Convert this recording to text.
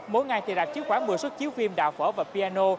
mỗi ngày thì rạp chiếu quả một mươi xuất chiếu phim đào phở và piano